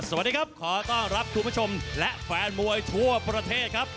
สวัสดีครับขอต้อนรับคุณผู้ชมและแฟนมวยทั่วประเทศครับ